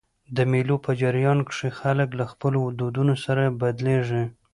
د مېلو په جریان کښي خلک له خپلو دودونو سره بلديږي.